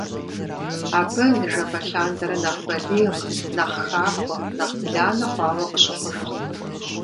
Абы ныжэбэ лъандэрэ нэхъ балигъ, нэхъ хахуэ, нэхъ бланэ хъуауэ къыщыхъужырт.